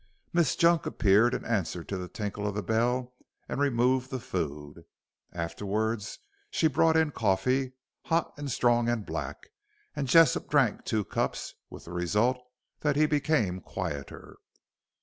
Miss Junk appeared in answer to the tinkle of the bell and removed the food. Afterwards she brought in coffee, hot and strong and black, and Jessop drank two cups, with the result that he became quieter.